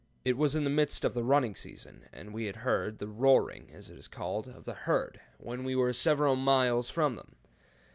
It was in the midst of the 'running season,' and we had heard the 'roaring' (as it is called) of the herd when we were several miles from them.